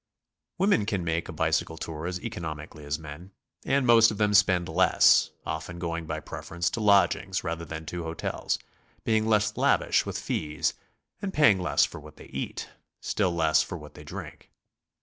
Women can make a bicycle tour as economically as men, and most of them spend less, often going by preference to lodgings rather than to hotels, being less lavish with fees, and paying less for what they eat, still less for what they drink.